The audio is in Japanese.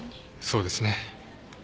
そうですね。